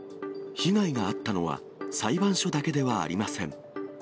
被害があったのは裁判所だけではありません。